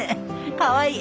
かわいい。